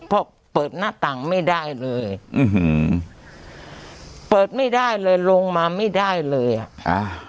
เพราะเปิดหน้าต่างไม่ได้เลยอืมเปิดไม่ได้เลยลงมาไม่ได้เลยอ่ะอ่า